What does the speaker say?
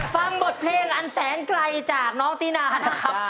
ฟังบทเพลงอันแสนไกลจากน้องตินานะครับ